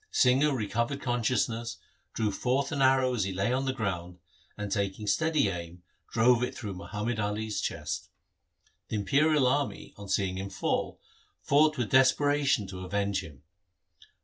Singha recovered consciousness, drew forth an arrow as he lay on the ground, and taking steady aim drove it through Muhammad Ali's chest. The imperial army, on seeing him fall, fought with desperation to avenge him.